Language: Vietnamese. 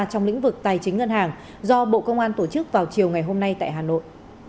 trong lĩnh vực tài chính ngân hàng do bộ công an tổ chức vào chiều ngày hôm nay tại hà nội